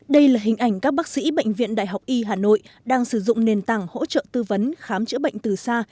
đây là hình ảnh các bác sĩ bệnh viện đại học y hà nội đang sử dụng nền tảng hỗ trợ tư vấn khám chữa bệnh từ xa